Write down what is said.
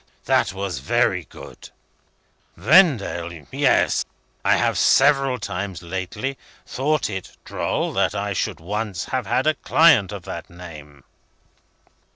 That was very good. Vendale. Yes. I have several times, lately, thought it droll that I should once have had a client of that name."